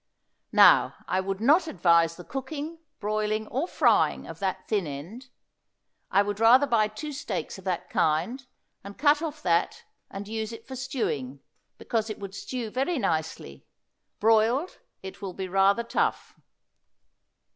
Now I would not advise the cooking, broiling or frying of that thin end. I would rather buy two steaks of that kind and cut off that and use it for stewing, because it would stew very nicely; broiled it will be rather tough.